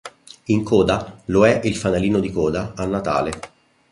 In coda, lo è il fanalino di coda a Natale.